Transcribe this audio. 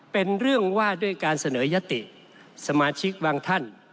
เป็นเรื่องว่าด้วยการเสนอยติสมาชิกบางท่าน